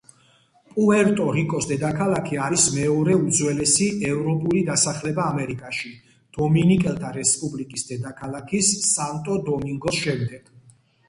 პუერტო-რიკოს დედაქალაქი არის მეორე უძველესი ევროპული დასახლება ამერიკაში, დომინიკელთა რესპუბლიკის დედაქალაქის სანტო-დომინგოს შემდეგ.